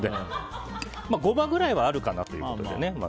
ゴマくらいはあるかなということで。